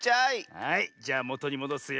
はいじゃあもとにもどすよ。